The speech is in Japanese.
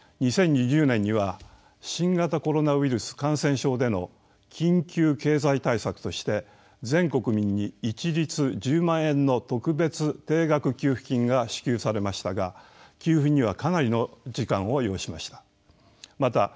２０２０年には新型コロナウイルス感染症での緊急経済対策として全国民に一律１０万円の特別定額給付金が支給されましたが給付にはかなりの時間を要しました。